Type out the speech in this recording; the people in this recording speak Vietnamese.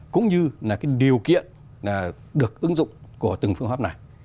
cũng như là cái điều kiện được ứng dụng của từng phương pháp này